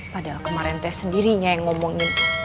padahal kemarin teh sendirinya yang ngomongin